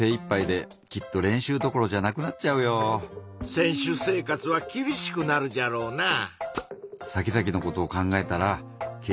選手生活はきびしくなるじゃろうなぁ。